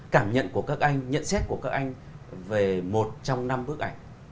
cảm nhận của các anh nhận xét của các anh về một trong năm bức ảnh